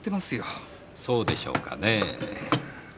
そうでしょうかねえ。